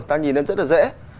ta nhìn rất là dễ